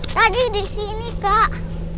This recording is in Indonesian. tadi disini kak